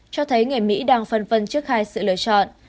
cho thấy người mỹ đang phân vân trước hai sự lựa chọn